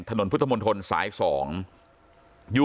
ถนนพุทธมนตรสาย๒